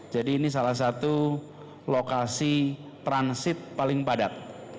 jadi ini salah satu lokasi transit paling padat